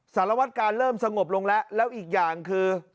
สารวัฒน์กาลเริ่มสงบลงและอีกอย่างคือ